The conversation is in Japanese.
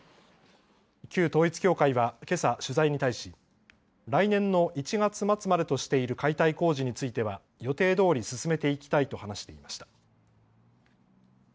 旧統一教会は、けさ取材に対し来年の１月末までとしている解体工事については予定どおり進めていきたいと話していました。